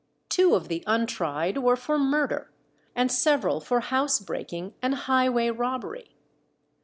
Two of the untried were for murder, and several for house breaking and highway robbery.